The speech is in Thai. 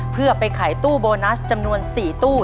เพื่อไปขายตู้โบนัสจำนวน๔ตู้